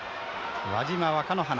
輪島、若乃花。